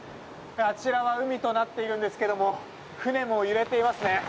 あちらは海となっているんですが船も揺れていますね。